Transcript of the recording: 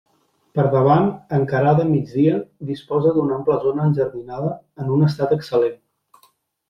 Per davant, encarada a migdia, disposa d’una ampla zona enjardinada, en un estat excel·lent.